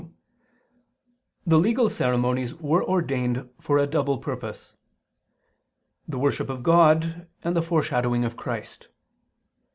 2), the legal ceremonies were ordained for a double purpose; the worship of God, and the foreshadowing of Christ.